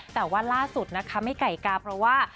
แต่ว่าล่าสุดนะคะไม่ไก่กาเพราะว่า